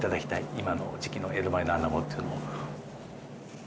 今の時期の江戸前のアナゴというのを。